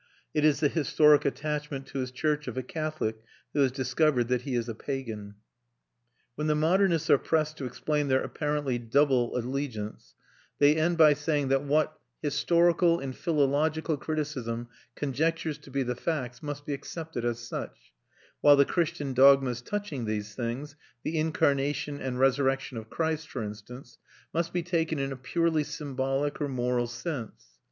It is the historic attachment to his church of a Catholic who has discovered that he is a pagan. When the modernists are pressed to explain their apparently double allegiance, they end by saying that what historical and philological criticism conjectures to be the facts must be accepted as such; while the Christian dogmas touching these things the incarnation and resurrection of Christ, for instance must be taken in a purely symbolic or moral sense.